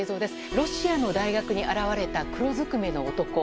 ロシアの大学に現れた黒ずくめの男。